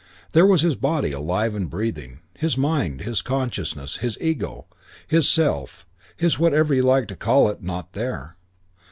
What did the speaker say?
There was his body, alive, breathing. His mind, his consciousness, his ego, his self, his whatever you like to call it not there.